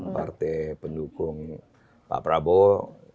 partai pendukung pak prabowo